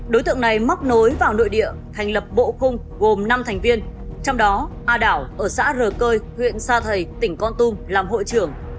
đối tượng này móc nối vào nội địa thành lập bộ khung gồm năm thành viên trong đó a đảo ở xã r cơi huyện sa thầy tỉnh con tum làm hội trưởng